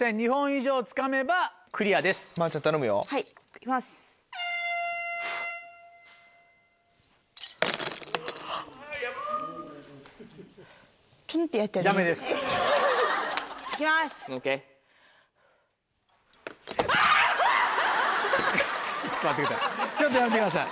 ちょっとやめてください。